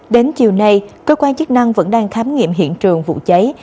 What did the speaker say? đến chiều nay cơ quan chức năng vẫn đang khám nghiệm hiện trường vụ cháy